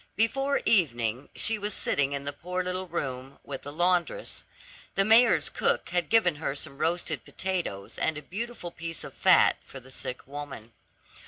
Before evening, she was sitting in the poor little room with the laundress. The mayor's cook had given her some roasted potatoes and a beautiful piece of fat for the sick woman.